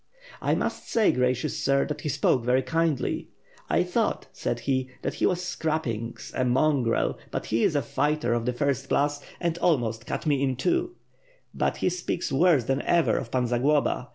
"1 must say, gracious sir, that he spoke very kindly, '1 thought,' said he, 'that he was scrapings, a mongrel; but he is a fighter of the first class, and almost cut me in two,' but he speaks worse than ever of Pan Zagloba.